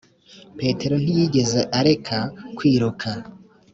petero ntiyigeze areka kwiruka